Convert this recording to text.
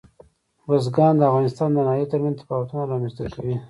بزګان د افغانستان د ناحیو ترمنځ تفاوتونه رامنځ ته کوي.